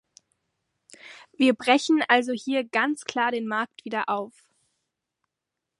Wir brechen also hier ganz klar den Markt wieder auf.